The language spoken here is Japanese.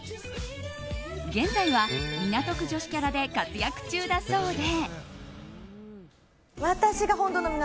現在は港区女子キャラで活躍中だそうで。